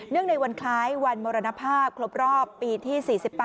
ในวันคล้ายวันมรณภาพครบรอบปีที่๔๘